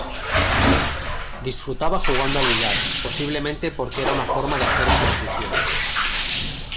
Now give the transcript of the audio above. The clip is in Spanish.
Disfrutaba jugando al billar, posiblemente porque era una forma de hacer ejercicio.